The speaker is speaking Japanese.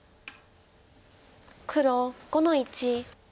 黒５の一。